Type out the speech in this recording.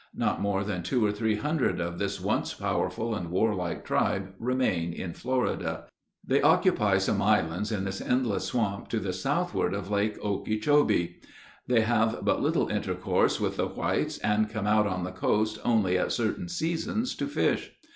Not more than two or three hundred of this once powerful and warlike tribe remain in Florida; they occupy some islands in this endless swamp to the southward of Lake Okeechobee. They have but little intercourse with the whites, and come out on the coast only at certain seasons to fish.